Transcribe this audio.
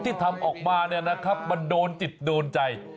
ที่ทำออกมาเนี่ยนะครับมันโดนจิตโดนใจ